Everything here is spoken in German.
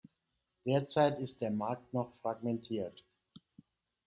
Derzeit ist der Markt noch fragmentiert.